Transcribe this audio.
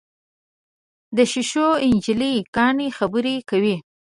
د ښیښو نجلۍ کاڼي خبرې کوي.